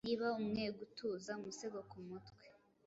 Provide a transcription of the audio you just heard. Niba umwegutuza umusego kumutwe